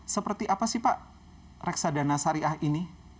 seperti apa sih pak reksadana syariah ini